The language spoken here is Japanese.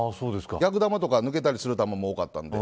逆球とか、抜けたりする球も多かったので。